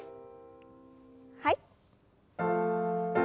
はい。